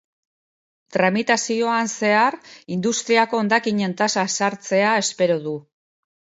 Tramitazioan zehar industriako hondakinen tasa ezartzea espero du.